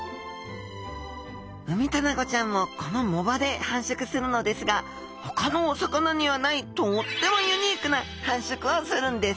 ウミタナゴちゃんもこの藻場で繁殖するのですがほかのお魚にはないとってもユニークな繁殖をするんです。